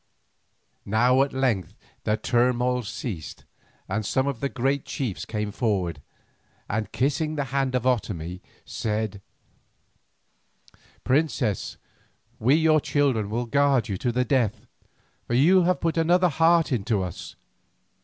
Now at length the turmoil ceased, and some of the great chiefs came forward and, kissing the hand of Otomie, said: "Princess, we your children will guard you to the death, for you have put another heart into us.